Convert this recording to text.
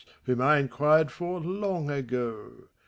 81 Whom I inquired for, long ago.